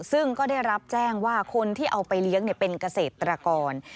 ซึ่งก็ได้รับแจ้งว่าคนที่เอาไปเลี้ยงเป็นเกษตรกร